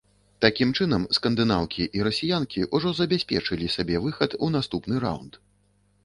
Такім чынам, скандынаўкі і расіянкі ўжо забяспечылі сабе выхад у наступны раўнд.